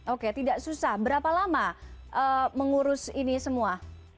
oke tidak susah berapa lama mengurus ini semua